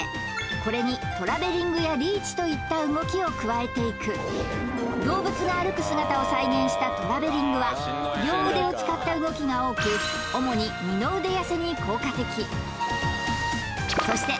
これにトラベリングやリーチといった動きを加えていく動物が歩く姿を再現したトラベリングは両腕を使った動きが多く主に二の腕痩せに効果的そして